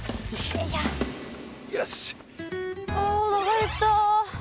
あおなか減った。